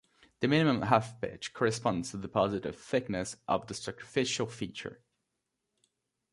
The minimum half-pitch corresponds to the deposited thickness of the sacrificial feature.